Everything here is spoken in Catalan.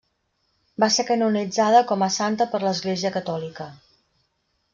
Va ser canonitzada com a santa per l'Església catòlica.